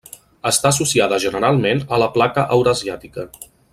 Està associada generalment a la placa eurasiàtica.